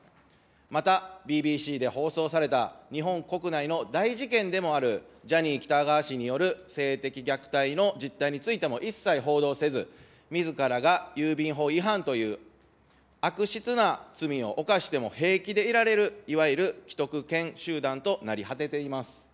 また、ＢＢＣで放送された、日本国内の大事件でもある、ジャニー喜多川氏による性的虐待の実態についても一切報道せず、みずからが郵便法違反という、悪質な罪を犯しても平気でいられる、いわゆる既得権集団となり果てています。